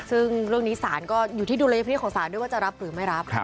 ซึ่งเรื่องนี้ศาลก็อยู่ที่ดุลยพินิษฐของศาลด้วยว่าจะรับหรือไม่รับ